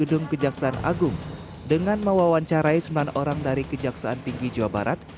gedung kejaksaan agung dengan mewawancarai sembilan orang dari kejaksaan tinggi jawa barat